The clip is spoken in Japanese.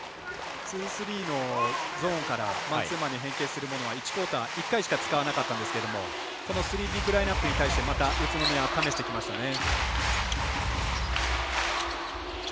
２−３のゾーンからマンツーマンに変形するものは１クオーター１回しか使わなかったんですがスリービッグラインナップにして宇都宮が試してきましたね。